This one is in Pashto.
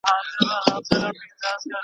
له پخوانو کمبلو پاته دوې ټوټې دي وړې.